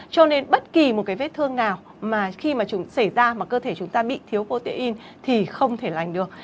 cho nên bất kỳ một cái vết thương nào mà khi mà chúng xảy ra mà cơ thể chúng ta bị thiếu potein thì không thể lành được